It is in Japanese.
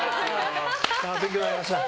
勉強になりました。